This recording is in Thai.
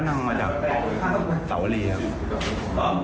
ก็นั่งมาจากสาวรีครับ